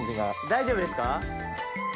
大丈夫ですか？